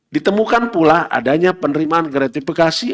ditemukan pula adanya penerimaan gratifikasi